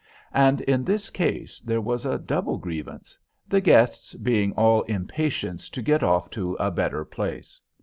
And in this case, there was a double grievance; the guests being all impatience to get off to a better place.